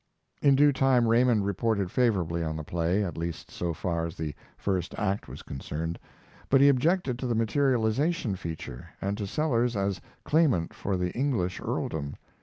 In due time Raymond reported favorably on the play, at least so far as the first act was concerned, but he objected to the materialization feature and to Sellers as claimant for the English earldom.